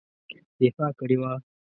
دفاع کړې وه.